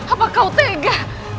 apakah kau tega